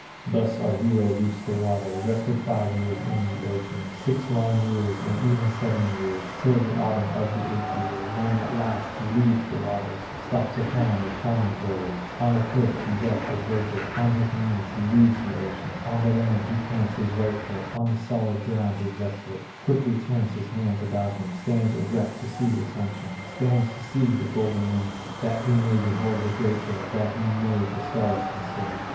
Thus our hero reached the water, Rested five years in the ocean, Six long years, and even seven years, Till the autumn of the eighth year, When at last he leaves the waters, Stops upon a promontory, On a coast bereft of verdure; On his knees he leaves the ocean, On the land he plants his right foot, On the solid ground his left foot, Quickly turns his hands about him, Stands erect to see the sunshine, Stands to see the golden moonlight, That he may behold the Great Bear, That he may the stars consider.